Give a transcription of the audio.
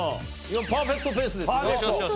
パーフェクトペースですよ。